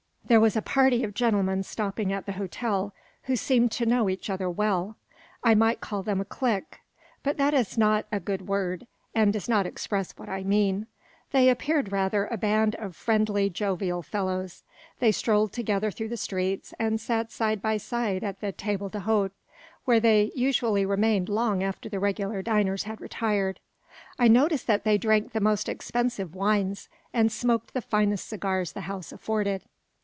There was a party of gentlemen stopping at the hotel, who seemed to know each other well. I might call them a clique; but that is not a good word, and does not express what I mean. They appeared rather a band of friendly, jovial fellows. They strolled together through the streets, and sat side by side at the table d'hote, where they usually remained long after the regular diners had retired. I noticed that they drank the most expensive wines, and smoked the finest cigars the house afforded.